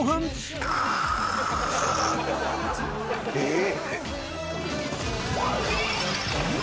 えっ⁉